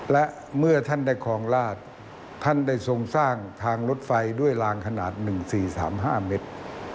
และเมื่อท่านได้ครองราชท่านได้ทรงสร้างทางรถไฟด้วยลางขนาด๑๔๓๕เมตร